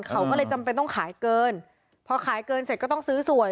เขาก็เลยจำเป็นต้องขายเกินพอขายเกินเสร็จก็ต้องซื้อสวย